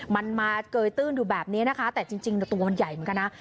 มันมาเกยตื้นอยู่แบบนี้นะคะแต่จริงตัวมันใหญ่เหมือนกันนะ